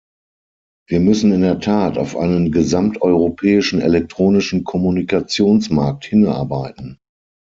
Wir müssen in der Tat auf einen gesamteuropäischen elektronischen Kommunikationsmarkt hinarbeiten.